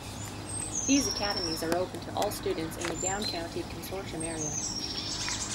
These academies are open to all students in the Downcounty Consortium area.